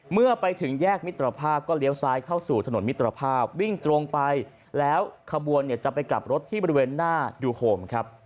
เมื่อไปถึงแยกมิตรภาพก็เลี้ยวซ้ายเข้าสู่ถนนมิตรภาพวิ่งตรงไปแล้วขบวนเนี่ยจะไปกลับรถที่บริเวณหน้ายูโฮมครับ